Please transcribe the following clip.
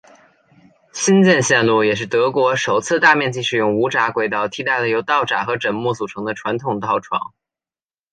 新建线路也是德国首次大面积使用无砟轨道替代了由道砟和枕木组成的传统道床。